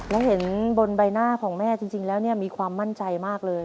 แล้วเห็นบนใบหน้าของแม่จริงแล้วเนี่ยมีความมั่นใจมากเลย